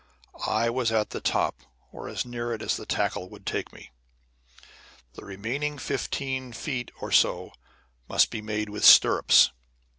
I was at the top, or as near it as the tackle could take me. The remaining fifteen feet or so must be made with stirrups.